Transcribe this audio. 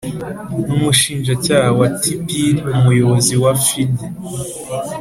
n'umushinjacyaha wa tpir, umuyobozi wa fidh